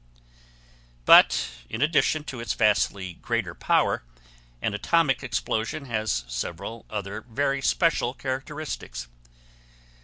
But in addition to its vastly greater power, an atomic explosion has several other very special characteristics.